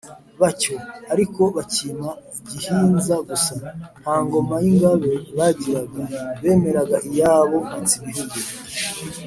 bacyo, ariko bacyima gihinza gusa: nta ngoma y’ingabe bagiraga. bemeraga iyabo mhatsibihugu,